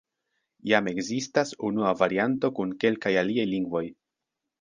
Jam ekzistas unua varianto kun kelkaj aliaj lingvoj.